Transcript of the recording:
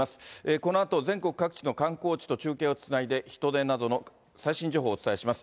このあと全国各地の観光地と中継をつないで、人出などの最新情報をお伝えします。